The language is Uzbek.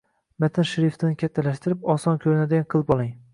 Matn shriftini kattartirib, oson koʻrinadigan qilib oling